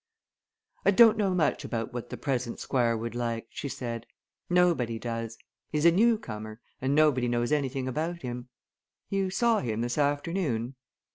"I don't know much about what the present Squire would like," she said. "Nobody does. He's a newcomer, and nobody knows anything about him. You saw him this afternoon?"